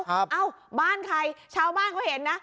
เอ้าบ้านใครชาวบ้านเขาเห็นนะ